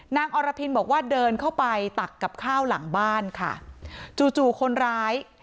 อรพินบอกว่าเดินเข้าไปตักกับข้าวหลังบ้านค่ะจู่จู่คนร้าย